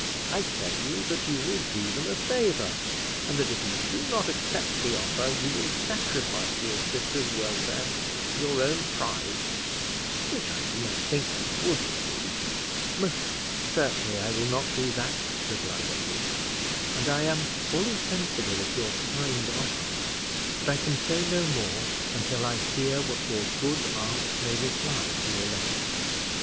I tell you that you will do them a favor, and that if you do not accept the offer, you will sacrifice your sisters' welfare to your own pride which I do not think you would do." "Most certainly I will not do that," replied Edward; "and I am fully sensible of your kind offer; but I can say no more until I hear what your good aunts may reply to your letter.